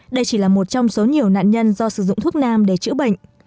đây chỉ là một trong số nhiều nạn nhân do sử dụng thuốc nam để chữa bệnh